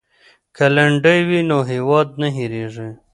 که لنډۍ وي نو هیواد نه هیریږي.